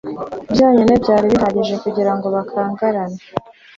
byonyine byari bihagije kugira ngo bakangarane